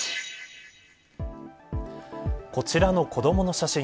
こちらの子どもの写真。